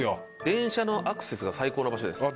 電車のアクセスが最高の場所です。